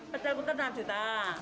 pecel putih enam juta